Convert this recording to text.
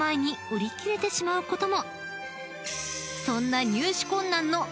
［そんな］